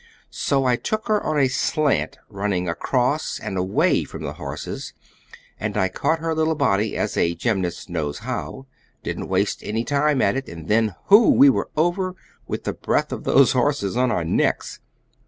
So I took her on a slant, running across and away from the horses, and I caught her little body as a gymnast knows how, didn't waste any time at it, and then hoo! we were over, with the breath of those horses on our necks.